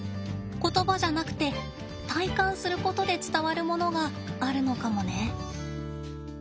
言葉じゃなくて体感することで伝わるものがあるのかもね。